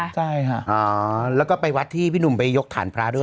ใช่ค่ะแล้วก็ไปวัดที่พี่หนุ่มไปยกฐานพระด้วย